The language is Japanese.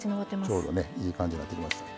ちょうどねいい感じになってきました。